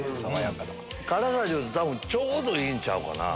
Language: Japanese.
辛さでいうと多分ちょうどいいんちゃうかな。